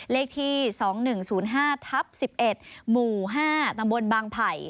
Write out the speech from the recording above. เลขที่๒๑๐๕ทับ๑๑หมู่๕ตำบลบางไผ่